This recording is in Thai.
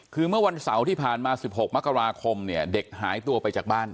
คือเมื่อวันเสาร์ที่ผ่านมา๑๖มกราคมเนี่ยเด็กหายตัวไปจากบ้าน